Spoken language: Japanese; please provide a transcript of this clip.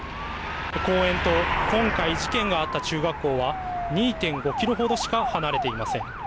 公園と、今回事件があった中学校は、２．５キロほどしか離れていません。